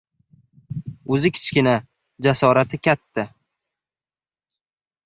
• O‘zi kichkina, jasorati katta.